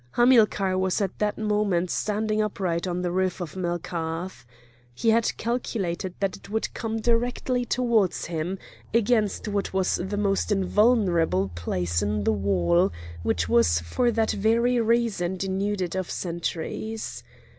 Hamilcar was at that moment standing upright on the roof of Melkarth. He had calculated that it would come directly towards him, against what was the most invulnerable place in the wall, which was for that very reason denuded of sentries.